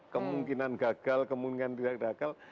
kemungkinan gagal kemungkinan tidak gagal